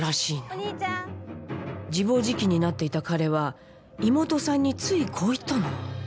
自暴自棄になっていた彼は妹さんについこう言ったの。